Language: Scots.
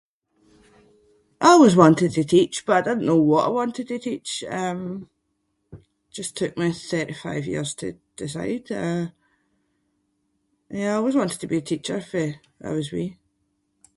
I always wanted to teach but I didn’t know what I wanted to teach. Um just took me thirty-five years to decide. Uh yeah I always wanted to be a teacher fae I was wee.